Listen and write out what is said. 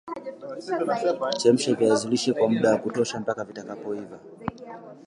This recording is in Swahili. Pia kundi liliahidi ushirika na dola la kiislamu mwaka wa elfu mbili kumi na tisa.